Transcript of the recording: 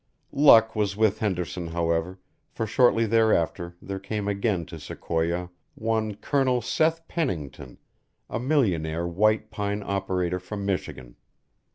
Luck was with Henderson, however; for shortly thereafter there came again to Sequoia one Colonel Seth Pennington, a millionaire white pine operator from Michigan.